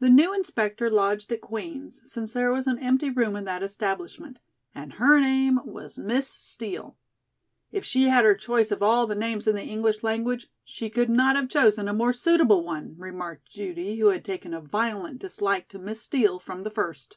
The new inspector lodged at Queen's, since there was an empty room in that establishment, and her name was Miss Steel. "If she had had her choice of all the names in the English language, she could not have chosen a more suitable one," remarked Judy who had taken a violent dislike to Miss Steel from the first.